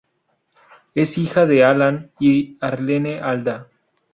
Es hija de Alan y Arlene Alda.